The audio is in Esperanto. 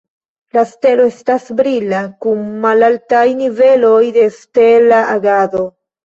La stelo estas brila kun malaltaj niveloj de stela agado.